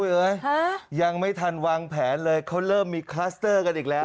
เอ้ยยังไม่ทันวางแผนเลยเขาเริ่มมีคลัสเตอร์กันอีกแล้ว